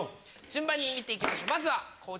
順番に見て行きましょう